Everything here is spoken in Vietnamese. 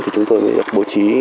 chúng tôi được bố trí